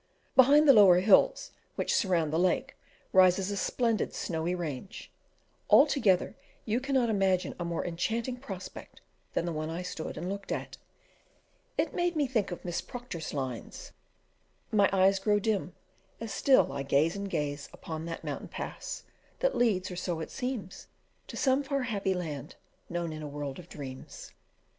Behind the lower hills which surround the lake rises a splendid snowy range; altogether, you cannot imagine a more enchanting prospect than the one I stood and looked at; it made me think of Miss Procter's lines "My eyes grow dim, As still I gaze and gaze Upon that mountain pass, That leads or so it seems To some far happy land Known in a world of dreams."